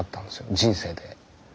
人生で。